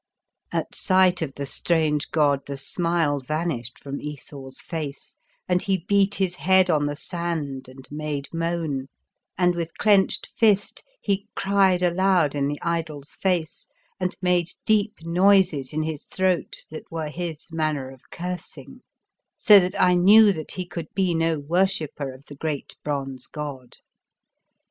At sight The Fearsome Island of the strange god the smile vanished from Esau's face, and he beat his head on the sand and made moan, and with clenched fist he cried aloud in the idol's face, and made deep noises in his throat that were his manner of cursing; so that I knew that he could be no worshipper of the great bronze god.